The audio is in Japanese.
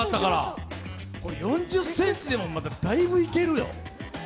４０ｃｍでも、だいぶいけるよ。